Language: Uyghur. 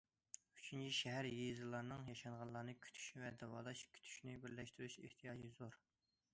ئۈچىنچى شەھەر، يېزىلارنىڭ ياشانغانلارنى كۈتۈش ۋە داۋالاش، كۈتۈشنى بىرلەشتۈرۈش ئېھتىياجى زور.